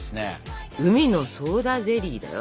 うみのソーダゼリーだよ。